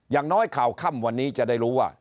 อย่างน้อยข่าวค่ำวันนี้จะได้รู้ว่า